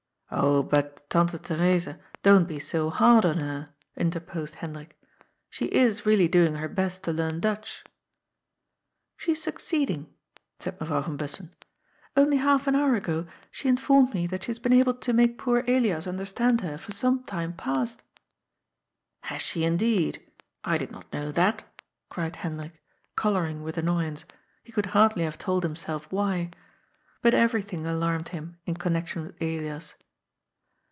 "Oh, but, Tante Theresa, don't be so hard on her," interposed Hendrik. " She is really doing her best to learn Dutch." " She is succeeding," said Mevrouw van Bussen. " Only half an hour ago she informed me that she has been able to make poor Elias understand her for some time past." " Has she indeed ? I did not know that !" cried Hen drik, colouring with annoyance, he could hardly have told himself why. But everything alarmed him in connection with Elias.